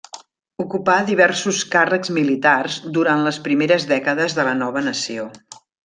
Ocupà diversos càrrecs militars durant les primeres dècades de la nova nació.